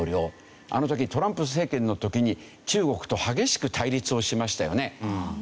あの時トランプ政権の時に中国と激しく対立をしましたよね。